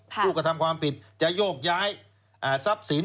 ผู้กระทำความผิดจะโยกย้ายทรัพย์สิน